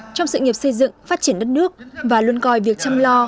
trong sự nghiệp xây dựng phát triển đất nước và luôn coi việc chăm lo